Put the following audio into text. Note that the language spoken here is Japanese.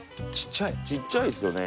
ちっちゃいですよね。